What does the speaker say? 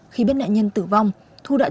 khi biết nạn nhân tử vong thu đã trốn